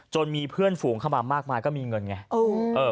มีเพื่อนฝูงเข้ามามากมายก็มีเงินไง